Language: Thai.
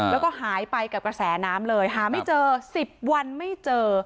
แล้วก็หายไปกับกระแสน้ำเลยหาไม่เจอ๑๐วันไม่เจอ